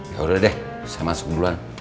yaudah deh saya masuk duluan